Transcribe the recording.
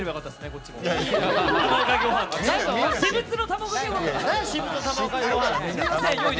こっちの。